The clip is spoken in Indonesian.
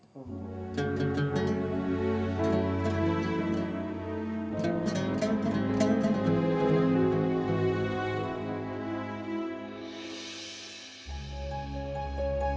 terima kasih ya tuhan